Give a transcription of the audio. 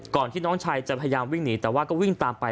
ที่น้องชายจะพยายามวิ่งหนีแต่ว่าก็วิ่งตามไป